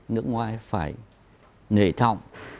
nước ngoài phải nề trọng